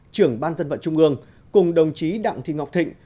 trưởng ban dân vận trung ương cùng đồng chí đặng thị ngọc thịnh